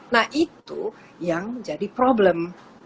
nah itu yang jadi problem